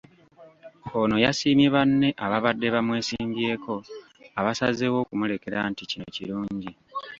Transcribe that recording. Ono yasiimye banne ababadde bamwesimbyeko abasazeewo okumulekera nti kino kirungi.